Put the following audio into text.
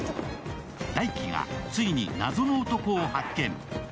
大輝がついに謎の男を発見。